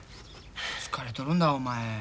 疲れとるんだお前。